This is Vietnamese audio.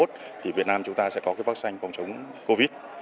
thì việt nam chúng ta sẽ có cái vaccine phòng chống covid